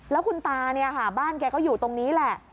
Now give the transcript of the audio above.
แล้วคุณตาบ้านแกก็อยู่ตรงนี้แหละ